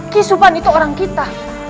kisupan itu orang kita